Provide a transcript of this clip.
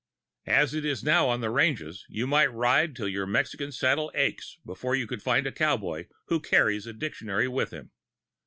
As it is now on the ranges you might ride till your Mexican saddle ached before you would find a cowboy who carries a dictionary with him.